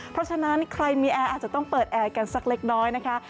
เพราะฉะนั้นใครมีแอร์อาจจะต้องเปิดแอร์กันสักเล็กน้อยนะคะ